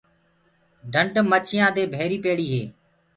ڍنڊ مڇيآنٚ دي ڀيري پيڙي هي۔